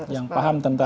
yang paham tentang